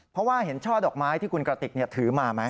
เพราะว่าเห็นช่อดอกไม้ที่คุณกระติกถือมาไหม